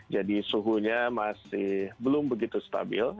jadi suhunya masih belum begitu stabil